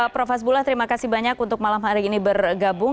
prof hasbullah terima kasih banyak untuk malam hari ini bergabung